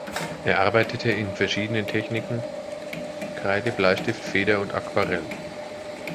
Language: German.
Er arbeitete in verschiedenen Techniken, Kreide, Bleistift, Feder und Aquarell.